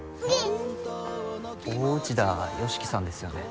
大内田佳基さんですよね？